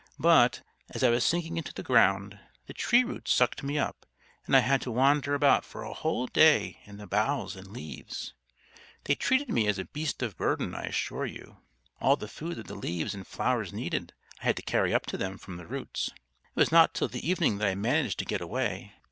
But, as I was sinking into the ground, the tree roots sucked me up, and I had to wander about for a whole day in the boughs and leaves. They treated me as a beast of burden, I assure you. All the food that the leaves and flowers needed I had to carry up to them from the roots. It was not till the evening that I managed to get away.